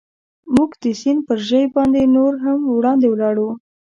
موږ د سیند پر ژۍ باندې نور هم وړاندې ولاړو.